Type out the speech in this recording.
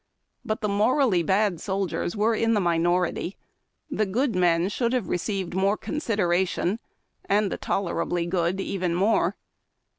But the morally bad soldiers were in the minority. The good men should 66 HARD TACK AND COFFEE. have received some consideration, and the tolerably good even more.